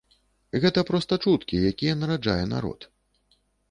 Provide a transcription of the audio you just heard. Гэта проста чуткі, якія нараджае народ.